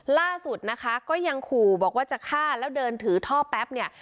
ล่าสุดนะคะก็ยังขู่บอกว่าจะฆ่าแล้วเดินถือท่อแป๊บเนี่ย